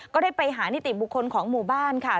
ก็ได้ไปหานิติบุคคลของหมู่บ้านค่ะ